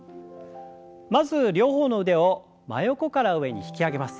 まず両方の腕を真横から上に引き上げます。